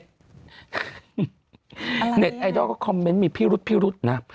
อะไรเนี่ยเน็ตไอดอลก็คอมเม้นต์มีพี่รุดนะ